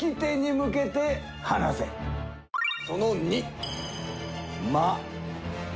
その２。